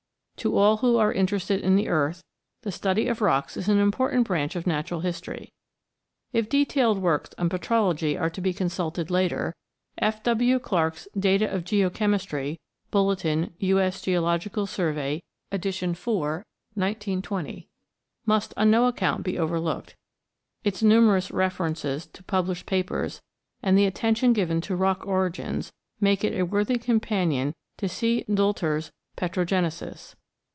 To all who are interested in the earth, the study of rocks is an important branch of natural history. If detailed works on petrology are to be consulted later, F. W. Clarke's Data of Geochemistry (Bulletin, U.S. Geological Survey, ed.4, 1920) must on no account be overlooked. Its numerous references to published papers, and the attention given to rock origins, make it a worthy companion to C. Doelter's Petrogenesis.